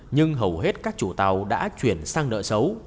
nhưng hầu hết các chủ tàu đã chuyển sang nợ xấu